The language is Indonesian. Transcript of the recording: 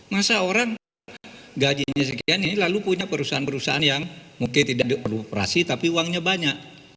masa orang gajinya sekian ini lalu punya perusahaan perusahaan yang mungkin tidak perlu operasi tapi uangnya banyak